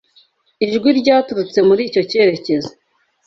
Ijwi ryaturutse muri icyo cyerekezo.